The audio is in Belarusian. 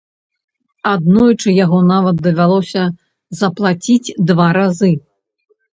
Аднойчы яго нават давялося заплаціць два разы.